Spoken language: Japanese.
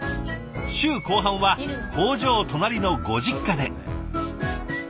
週後半は工場隣のご実家で。